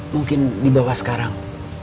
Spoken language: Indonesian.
mungkin dibawa sekarang